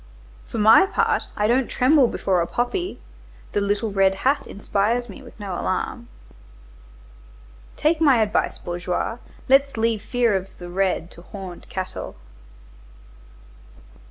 For my part I don't tremble before a poppy, the little red hat inspires me with no alarm. Take my advice, bourgeois, let's leave fear of the red to horned cattle."